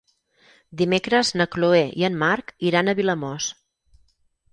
Dimecres na Chloé i en Marc iran a Vilamòs.